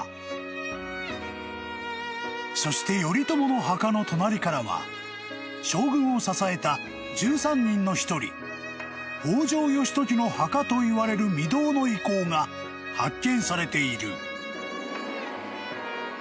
［そして頼朝の墓の隣からは将軍を支えた１３人の１人北条義時の墓といわれるみ堂の遺構が発見されている］